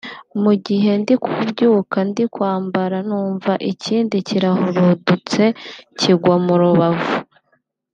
mu gihe ndi kubyuka ndi kwambara numva ikindi kirahurudutse kingwa mu rubavu